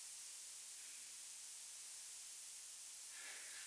Na konci války byl v Náměšti členem revolučního místního národního výboru.